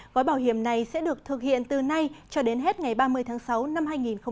gói bảo hiểm này sẽ được thực hiện từ nay cho đến hết ngày ba mươi tháng sáu năm hai nghìn hai mươi